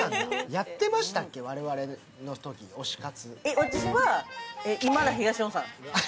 やってましたっけ、我々のとき推し活？